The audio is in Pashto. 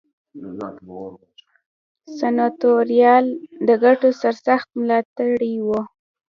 سناتوریال د ګټو سرسخت ملاتړي وو.